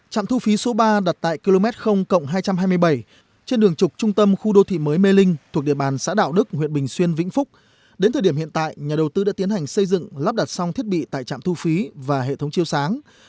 trạm thu phí số ba đặt tại km hai trăm hai mươi bảy trên đường trục trung tâm khu đô thị mới mê linh thuộc địa bàn xã đạo đức huyện bình xuyên vĩnh phúc đến thời điểm hiện tại nhà đầu tư đã tiến hành xây dựng lắp đặt xong thiết bị tại trạm thu phí và hệ thống chiêu sáng